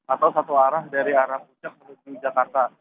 atau satu arah dari arah puncak menuju jakarta